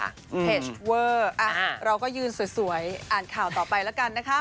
เพจเวอร์เราก็ยืนสวยอ่านข่าวต่อไปแล้วกันนะคะ